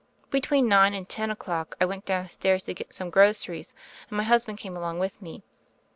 Between nine and ten o'clock I went downstairs to get some groceries, and my husband came along with me.